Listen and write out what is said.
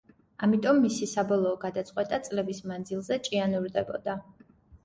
ამიტომ მისი საბოლოო გადაწყვეტა წლების მანძილზე ჭიანურდებოდა.